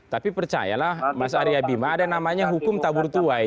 tapi percayalah mas arya bima ada namanya hukum tabur tuai